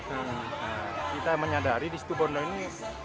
nah kita menyadari disitu bor ini